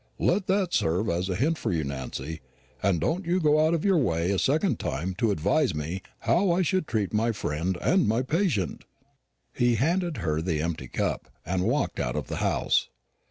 Let that serve as a hint for you, Nancy; and don't you go out of your way a second time to advise me how I should treat my friend and my patient." He handed her the empty cup, and walked out of the house.